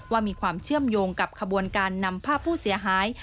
ว่ามีความเชื่อมโยงกับขบวนการนำภาพผู้เสียหาย